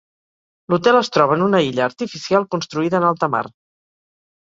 L'hotel es troba en una illa artificial construïda en alta mar.